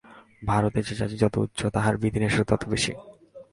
ভারতে যে জাতি যত উচ্চ, তাহার বিধিনিষেধও তত বেশী।